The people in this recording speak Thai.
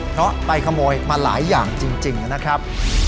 เพราะไปขโมยมาหลายอย่างจริงนะครับ